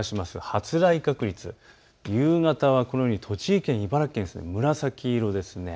発雷確率、夕方はこのように栃木県、茨城県、紫色です。